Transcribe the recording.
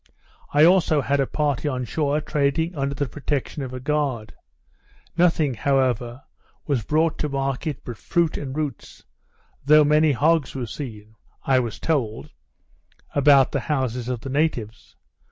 I also had a party on shore, trading under the protection of a guard; nothing, however, was brought to market but fruit and roots, though many hogs were seen (I was told) about the houses of the natives.